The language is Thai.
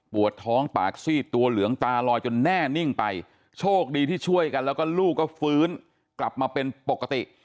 ปวดท้องปากซีดตัวเหลืองตาลอยจนแน่นิ่งไปโชคดีที่ช่วยกันแล้วก็ลูกก็ฟื้นกลับมาเป็นปกติ